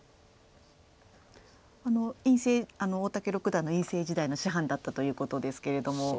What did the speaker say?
あの院生大竹六段の院生時代の師範だったということですけれども。